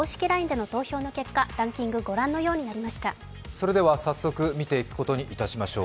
ＬＩＮＥでの投票の結果、ランキング御覧のようになりました。